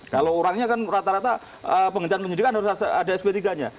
kalau orangnya kan rata rata penghentian penyidikan harus ada sp tiga nya